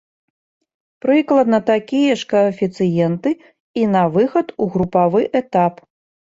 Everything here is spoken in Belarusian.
Прыкладна такія ж каэфіцыенты і на выхад у групавы этап.